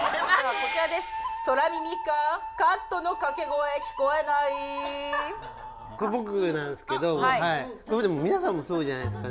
これ僕なんですけど皆さんもそうじゃないですかね？